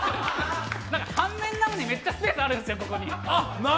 なんか半面なのにめっちゃスペースあるんですよ、ここに。